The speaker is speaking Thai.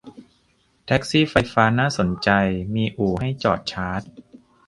แท็กซี่ไฟฟ้าน่าสนใจ มีอู่ให้จอดชาร์จ